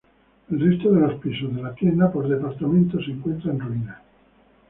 El resto de los pisos de la tienda por departamentos se encuentran en ruinas.